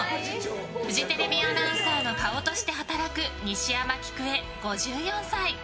フジテレビアナウンサーの顔として働く西山喜久恵、５４歳。